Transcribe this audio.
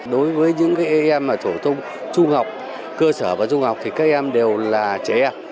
đối với những em phổ thông trung học cơ sở và trung học thì các em đều là trẻ em